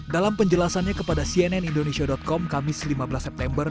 dalam penjelasannya kepada cnn indonesia com kamis lima belas september